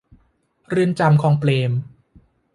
เรือนจำคลองเปรม